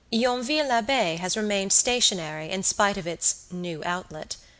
Yonville l'Abbaye has remained stationary in spite of its "new outlet."